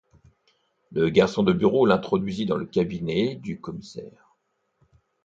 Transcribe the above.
Le garçon de bureau l'introduisit dans le cabinet du commissaire.